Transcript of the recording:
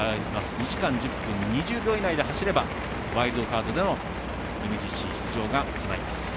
２時間１０分２０秒以内で走れば、ワイルドカードでのＭＧＣ出場が決まります。